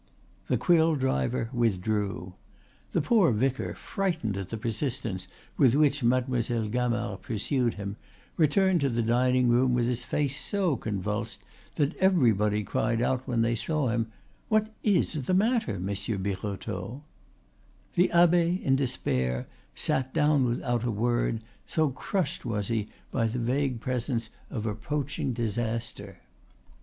The quill driver withdrew. The poor vicar, frightened at the persistence with which Mademoiselle Gamard pursued him, returned to the dining room with his face so convulsed that everybody cried out when they saw him: "What is the matter, Monsieur Birotteau?" The abbe, in despair, sat down without a word, so crushed was he by the vague presence of approaching disaster.